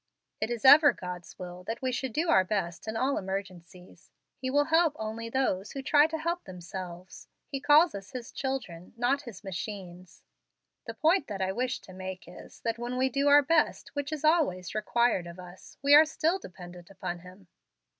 "It is ever God's will that we should do our best in all emergencies. He will help only those who try to help themselves. He calls us his children, not his machines. The point I wish to make is, that when we do our best, which is always required of us, we are still dependent upon Him."